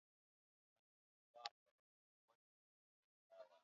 Kwa maoni yangu, kijana huyu hafai kuwa baba wa familia.